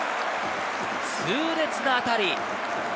痛烈な当たり！